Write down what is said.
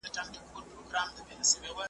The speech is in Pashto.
حساب کتاب مې د میاشتې په پای کې وکړ.